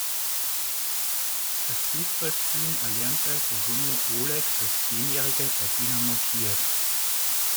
Das Fußballspielen erlernte der junge Oleg als Zehnjähriger bei Dynamo Kiew.